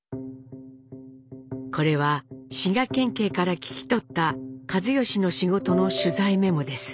これは滋賀県警から聞き取った一嚴の仕事の取材メモです。